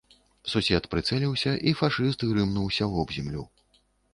Сусед прыцэліўся, і фашыст грымнуўся вобземлю.